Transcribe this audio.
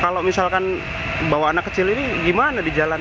kalau misalkan bawa anak kecil ini gimana di jalan